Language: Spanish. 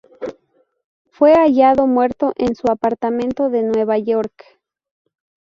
Fue hallado muerto en su apartamento de Nueva York.